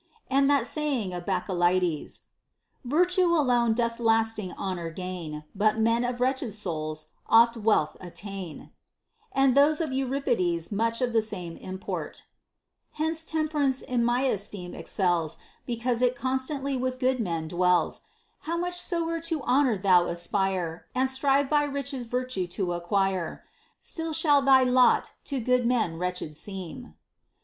And that saying of Bacchylides, Virtue alone doth lasting honor gain, But men of wretched souls oft wealth attain ; and those of Euripides much of the same import, Hence temperance in my esteem excels, Because it constantly with good men dwells ; How much soe'er to honor thou aspire, And strive by riches virtue to acquire, Still shall thy lot to good men wretched seem ;* Hesiod, Works and Days, 40 and 266. TO HEAR POEMS.